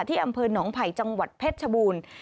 อำเภอหนองไผ่จังหวัดเพชรชบูรณ์